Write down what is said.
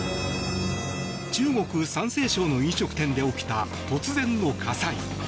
中国・山西省の飲食店で起きた突然の火災。